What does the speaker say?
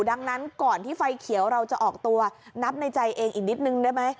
ดังนั้นก่อนที่ไฟเขียวเราจะออกตัวนับในใจเองอีกนิดนึงได้ไหม